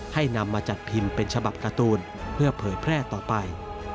นำมาจัดพิมพ์เป็นฉบับการ์ตูนเพื่อเผยแพร่ต่อไป